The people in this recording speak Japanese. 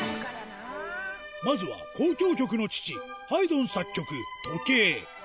まずは交響曲の父、ハイドン作曲、時計。